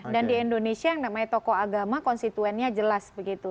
dan di indonesia yang namanya tokoh agama konstituennya jelas begitu